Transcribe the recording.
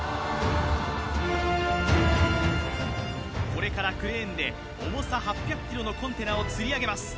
これからクレーンで重さ８００ｋｇのコンテナを吊り上げます